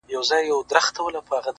o د شرابو خُم پر سر واړوه یاره،